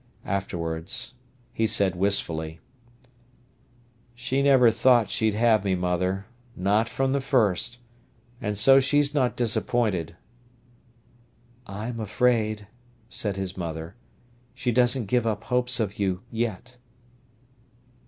Afterwards he said wistfully: "She never thought she'd have me, mother, not from the first, and so she's not disappointed." "I'm afraid," said his mother, "she doesn't give up hopes of you yet."